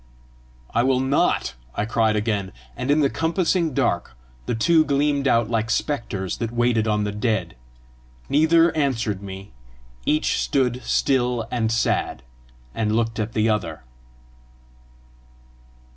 "I will NOT," I cried again; and in the compassing dark, the two gleamed out like spectres that waited on the dead; neither answered me; each stood still and sad, and looked at the other.